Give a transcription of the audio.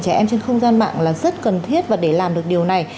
thì bảo vệ trẻ em trên môi trường mạng là rất cần thiết và để làm được điều này